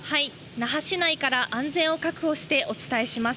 那覇市内から安全を確保してお伝えします。